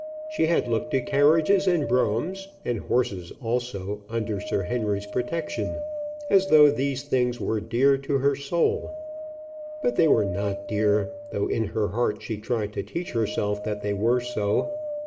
She had looked to carriages and broughams and horses also under Sir Henry's protection as though these things were dear to her soul. But they were not dear, though in her heart she tried to teach herself that they were so.